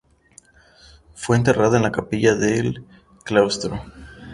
Fue enterrada en la capilla del claustro.